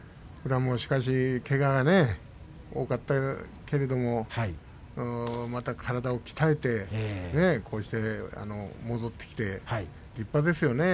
けがが多かったけれどもまた体を鍛えてこうして戻ってきて立派ですよね。